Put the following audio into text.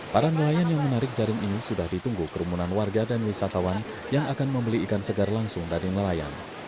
para nelayan yang menarik jaring ini sudah ditunggu kerumunan warga dan wisatawan yang akan membeli ikan segar langsung dari nelayan